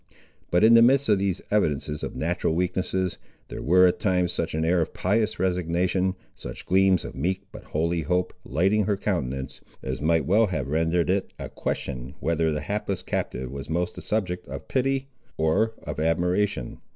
But in the midst of these evidences of natural weakness, there were at times such an air of pious resignation, such gleams of meek but holy hope lighting her countenance, as might well have rendered it a question whether the hapless captive was most a subject of pity, or of admiration.